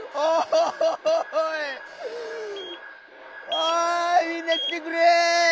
おいみんなきてくれ！